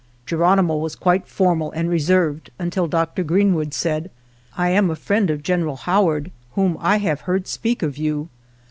Geronimo was quite formal and reserved until Dr. Greenwood said, " I am a friend of General Howard, whom I have heard speak of you."